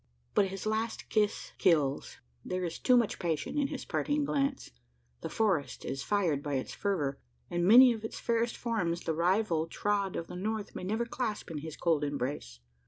But his last kiss kills: there is too much passion in his parting glance. The forest is fired by its fervour; and many of its fairest forms the rival trod of the north may never clasp in his cold embrace.